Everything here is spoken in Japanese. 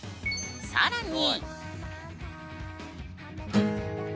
更に。